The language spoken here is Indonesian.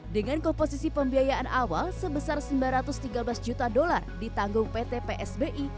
dengan komposisi pembiayaan awal sebesar sembilan ratus tiga belas juta dolar ditanggung pt psbi